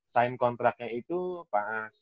sign kontraknya itu pas